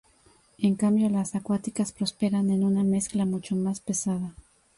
En cambio las acuáticas prosperan en una mezcla mucho más pesada.